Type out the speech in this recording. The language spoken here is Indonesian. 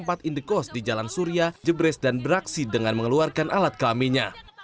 selamat indikos di jalan surya jebres dan beraksi dengan mengeluarkan alat kamenya